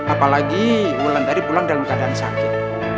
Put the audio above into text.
apalagi wulandari pulang dalam keadaan sakit